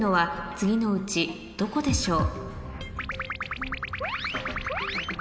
次のうちどこでしょう